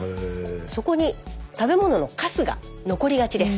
そこに食べ物のかすが残りがちです。